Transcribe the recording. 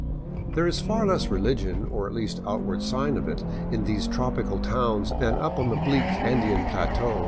There is far less religion, or at least outward sign of it, in these tropical towns than up on the bleak Andean plateau.